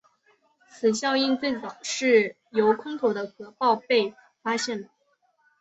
此效应最早是由空投的核爆被发现的。